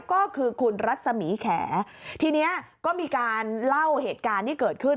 ก็คือคุณรัศมีแขทีนี้ก็มีการเล่าเหตุการณ์ที่เกิดขึ้น